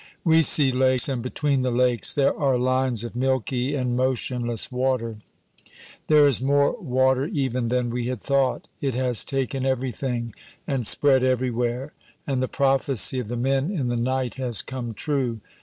We see lakes, and between the lakes there are lines of milky and motionless water. There is more water even than we had thought. It has taken everything and spread everywhere, and the prophecy of the men in the night has come true.